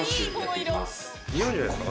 似合うんじゃないですか